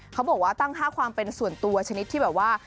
เขาบอกว่าตั้งค่าความเป็นส่วนตัวชนิดที่แบบว่า